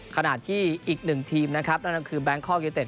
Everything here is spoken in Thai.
ขณะที่อีกหนึ่งทีมคือแบงค์ควอลกิวเตะ